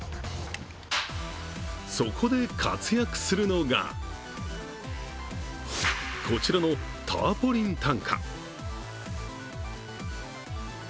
そこで活躍するのが、こちらのターポリン担架。